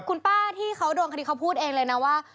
คุณป้าที่เขาโดนคดีเขาพูดเองเลยนะว่า